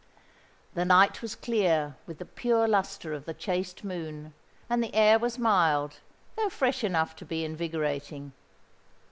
The night was clear with the pure lustre of the chaste moon; and the air was mild, though fresh enough to be invigorating.